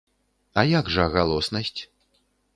А як жа галоснасць?